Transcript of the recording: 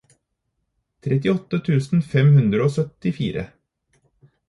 trettiåtte tusen fem hundre og syttifire